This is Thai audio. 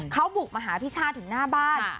เขาบุกมาหาพี่ชาติถึงหน้าบ้าน